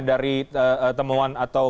dari temuan atau